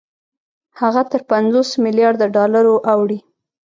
هغه تر پنځوس مليارده ډالرو اوړي